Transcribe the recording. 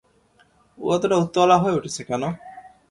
ও এতটা উতলা হয়ে উঠছে কেন!